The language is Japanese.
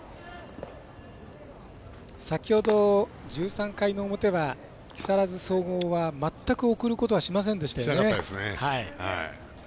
先ほど１３回の表は木更津総合は全く送ることはしませんでしたよね。